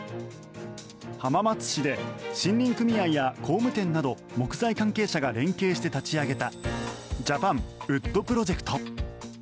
浜松市で森林組合や工務店など木材関係者が連携して立ち上げたジャパンウッドプロジェクト。